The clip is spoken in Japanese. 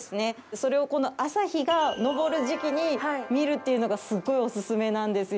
それを、この朝日が昇る時期に見るというのがすごいお勧めなんですよ。